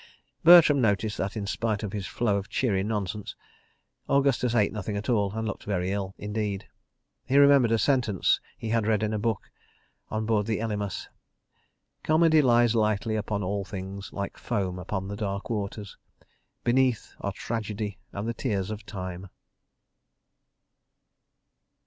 Bertram noticed that, in spite of his flow of cheery nonsense, Augustus ate nothing at all and looked very ill indeed. He remembered a sentence he had read in a book on board the Elymas: "Comedy lies lightly upon all things, like foam upon the dark waters. Beneath are tragedy and the tears of time."